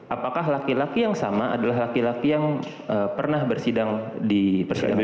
apakah laki laki yang sama adalah laki laki yang pernah bersidang di persidangan